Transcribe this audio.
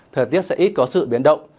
thời tiết sẽ ít có sự biến động